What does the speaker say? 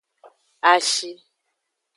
Ashi.